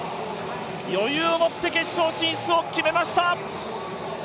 余裕を持って決勝進出を決めました。